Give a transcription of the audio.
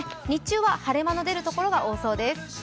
日中は晴れ間の出るところが多そうです。